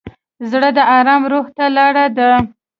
زړه د ارام روح ته لاره ده.